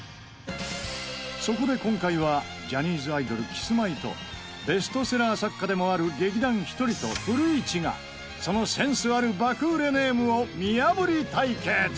そこで今回はジャニーズアイドルキスマイとベストセラー作家でもある劇団ひとりと古市がそのセンスある爆売れネームを見破り対決！